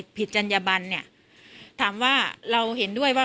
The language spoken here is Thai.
กินโทษส่องแล้วอย่างนี้ก็ได้